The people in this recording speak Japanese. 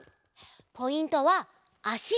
ポイントはあし。